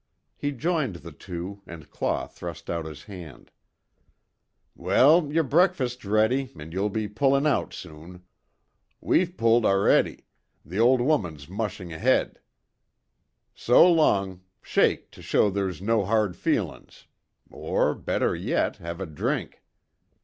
He joined the two and Claw thrust out his hand: "Well, yer breakfast's ready an' you'll be pullin' out soon. We've pulled a'ready the old woman's mushin' ahead. So long shake, to show they's no hard feelin's or, better yet, have a drink."